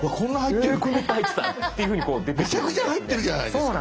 めちゃくちゃ入ってるじゃないですか！